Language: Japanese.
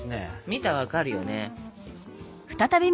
見たら分かるよね。